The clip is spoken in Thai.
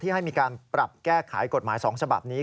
ให้มีการปรับแก้ไขกฎหมาย๒ฉบับนี้